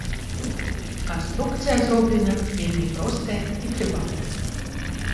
Канструкцыя зроблена вельмі простая і трывалая.